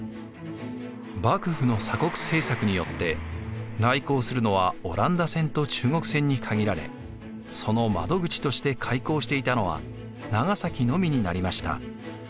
幕府の鎖国政策によって来航するのはオランダ船と中国船に限られその窓口として開港していたのは長崎のみになりました。